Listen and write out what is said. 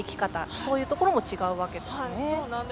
そういうところも違うわけですね。